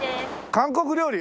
韓国料理。